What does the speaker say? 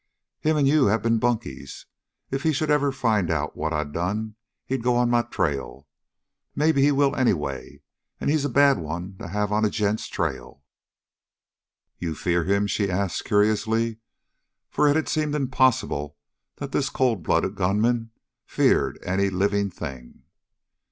"Him and you have been bunkies, if he ever should find out what I done, he'd go on my trail. Maybe he will anyway. And he's a bad one to have on a gent's trail." "You fear him?" she asked curiously, for it had seemed impossible that this cold blooded gunman feared any living thing.